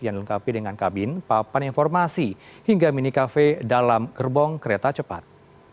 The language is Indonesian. yang dilengkapi dengan kabin papan informasi hingga mini kafe dalam gerbong kereta cepat